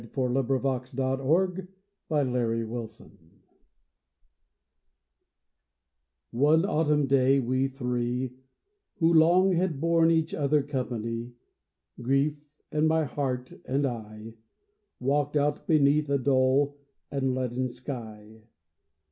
THE CHAMBER OF SILENCE One autumn day we three, Who long had borne each other company — Grief, and my Heart, and I — Walked out beneath a dull and leaden sky.